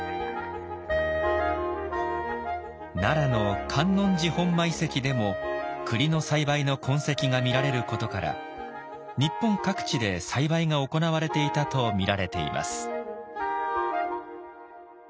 奈良の観音寺本馬遺跡でもクリの栽培の痕跡が見られることから日本各地で栽培が行われていたと見られています。